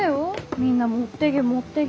みんな持ってげ持ってげって。